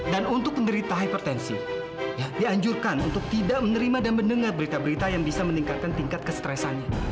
untuk penderita hipertensi dianjurkan untuk tidak menerima dan mendengar berita berita yang bisa meningkatkan tingkat kestresannya